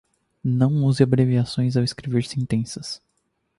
Não use abreviações ao escrever sentenças